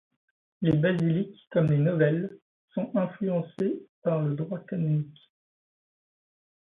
Les Basiliques comme les Novelles sont influencées par le droit canonique.